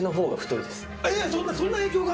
えっそんな影響が？